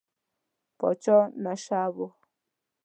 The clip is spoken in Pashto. پاچا نشه و.